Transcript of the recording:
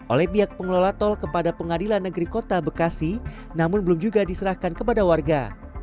oleh pihak pengelola tol kepada pengadilan negeri kota bekasi namun belum juga diserahkan kepada warga